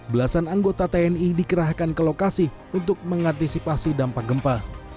belasan anggota tni dikerahkan ke lokasi untuk mengantisipasi dampak gempa